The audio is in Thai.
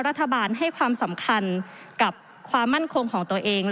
รัฐบาลให้ความสำคัญกับความมั่นคงของตัวเอง